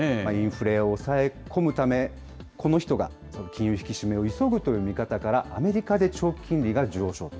インフレを抑え込むため、この人が金融引き締めを急ぐという見方から、アメリカで長期金利が上昇。